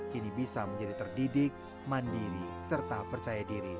kini bisa menjadi terdidik mandiri serta percaya diri